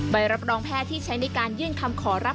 ใบรับรองแพทย์ที่ใช้ในการยื่นคำขอรับ